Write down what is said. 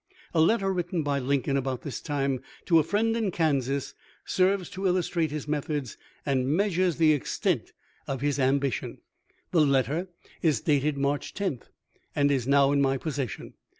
A letter written by Lincoln about this time to a friend in Kansas serves to illustrate his methods, and measures the extent 45 S ThR LifM op LINCOLN. of his ambition. The letter is dated March lo, and is now in my possession.